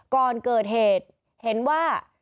ก่อนเกิดเหตุเห็นว่า